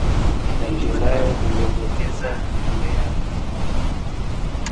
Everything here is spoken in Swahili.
Hatimaye kilembwekezawe kamea mabawa